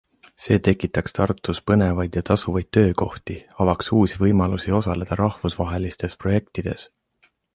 See tekitaks Tartus põnevaid ja tasuvaid töökohti, avaks uusi võimalusi osaleda rahvusvahelistes projektides.